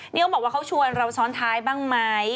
นี่เขาบอกว่าเขาชวนเราซ้อนท้ายบ้างไหม